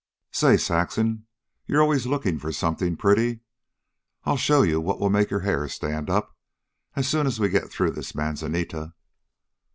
"Say, Saxon, you're always lookin' for something pretty. I'll show you what'll make your hair stand up... soon as we get through this manzanita."